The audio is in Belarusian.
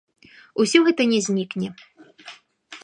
Усё гэта не знікне.